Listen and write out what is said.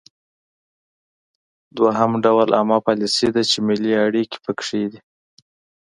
دوهم ډول عامه پالیسي ده چې ملي اړیکې پکې دي